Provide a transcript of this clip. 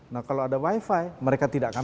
nah kalau ada wifi mereka tidak akan